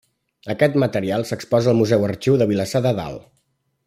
Aquest material s'exposa al Museu-Arxiu de Vilassar de Dalt.